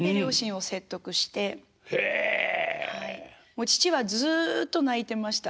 もう父はずっと泣いてました